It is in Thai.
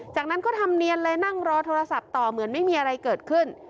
จากนั้นก็ทำเนียนเลยนั่งรอโทรศัพท์ต่อเหมือนไม่มีอะไรเกิดขึ้น